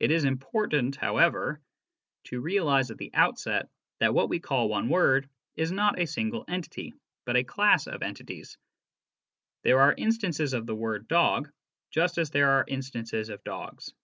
It is important, however, to realize at the outset that what we call one word is not a single entity, but a class of entities: there are instances of the word " dog " just as there are instances of dogs.